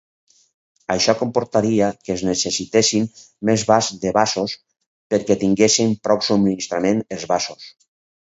Això comportaria que es necessitessin més vas de vasos perquè tinguessin prou subministrament els vasos.